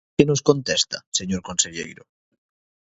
¿Sabe que nos contesta, señor conselleiro?